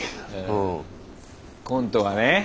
コントはね